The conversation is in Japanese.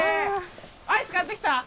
アイス買ってきた？